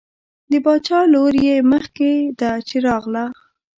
د باچا لور یې مخکې ده چې راغله.